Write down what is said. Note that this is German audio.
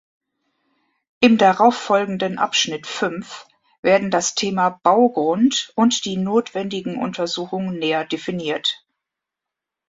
Im darauffolgenden Abschnitt fünf werden das Thema Baugrund und die notwendigen Untersuchungen näher definiert.